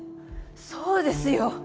そうですよ